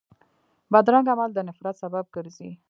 بدرنګه عمل د نفرت سبب ګرځي